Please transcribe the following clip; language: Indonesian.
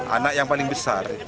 anak yang paling besar